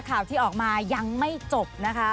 ข่าวที่ออกมายังไม่จบนะคะ